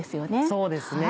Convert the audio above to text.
そうですね。